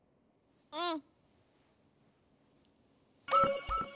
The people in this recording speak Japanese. うん！